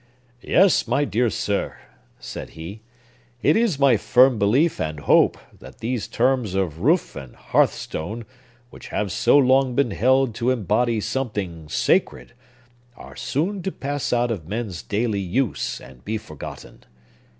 "Yes, my dear sir," said he, "it is my firm belief and hope that these terms of roof and hearth stone, which have so long been held to embody something sacred, are soon to pass out of men's daily use, and be forgotten.